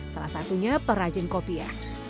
salah satunya para jengkopia